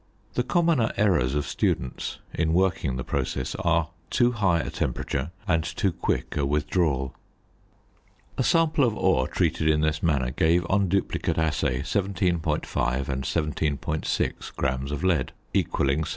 The commoner errors of students in working the process are too high a temperature and too quick a withdrawal. A sample of ore treated in this manner gave on duplicate assay 17.5 and 17.6 grams of lead, equalling 70.